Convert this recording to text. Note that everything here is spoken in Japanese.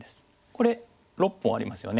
これ６本ありますよね。